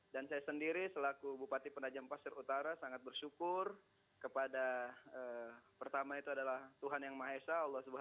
dan saya sendiri selaku bupati penajam pasir utara sangat bersyukur kepada pertama itu adalah tuhan yang maha esa